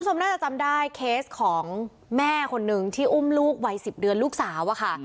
คุณผู้ชมน่าจะจำได้เคสของแม่คนนึงที่อุ้มลูกวัย๑๐เดือนลูกสาวอะค่ะ